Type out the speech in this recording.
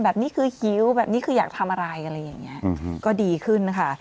แบบนี้คือหิวแบบนี้คืออยากทำอะไรอะไรอย่างนี้ก็ดีขึ้นค่ะ